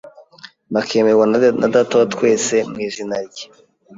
bakemerwa na Data wa twese mu izina rye